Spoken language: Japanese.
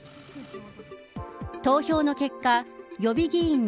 投票の結果、予備議員に